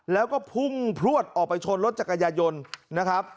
และพุ่งพลวดออกไปชนรถ๔๕๕๐๒๐๓๒๐๒๒นนะครับ